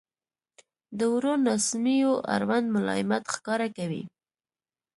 • د وړو ناسمیو اړوند ملایمت ښکاره کوئ.